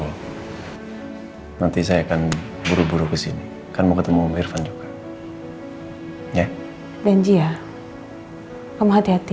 hai nanti saya akan buru buru kesini kamu ketemu irfan juga ya dan dia kamu hati hati